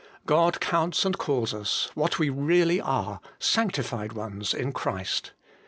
God counts and calls us, what we really are, sanctified ones in Christ.